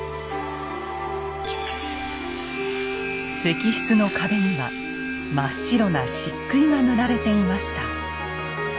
石室の壁には真っ白な漆喰が塗られていました。